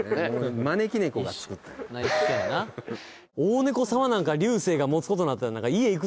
大猫様なんかリュウセイが持つことになったら・